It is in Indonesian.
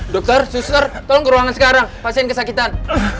dokter suster tolong ke ruangan sekarang pasien kesakitan